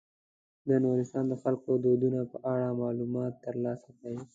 د نورستان د خلکو د دودونو په اړه معلومات تر لاسه کړئ.